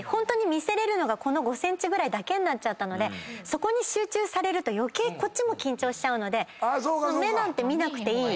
見せれるのがこの５ｃｍぐらいだけになっちゃったのでそこに集中されると余計こっちも緊張しちゃうので目なんて見なくていい。